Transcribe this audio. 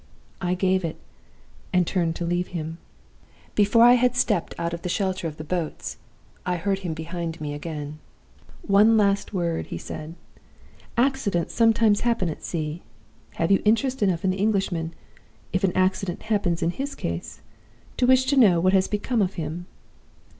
"I gave it, and turned to leave him. Before I had stepped out of the shelter of the boats, I heard him behind me again. "'One last word,' he said. 'Accidents sometimes happen at sea. Have you interest enough in the Englishman if an accident happens in his case to wish to know what has become of him?